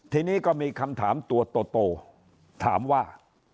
ทีนี้ก็มีคำถามตัวโตถามว่า